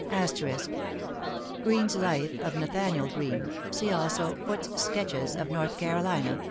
Greene's Life of Nathanael Greene. See also Foote's Sketches of North Carolina, p.